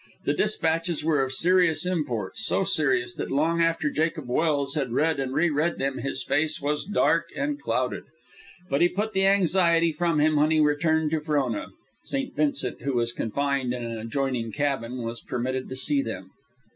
The despatches were of serious import, so serious that long after Jacob Welse had read and re read them his face was dark and clouded; but he put the anxiety from him when he returned to Frona. St. Vincent, who was confined in an adjoining cabin, was permitted to see them.